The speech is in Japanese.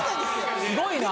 すごい。